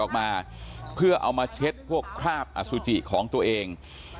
ออกมาเพื่อเอามาเช็ดพวกคราบอสุจิของตัวเอง